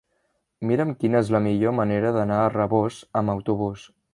Mira'm quina és la millor manera d'anar a Rabós amb autobús.